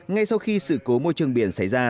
ngay sau khi sự cố môi trường biển xảy ra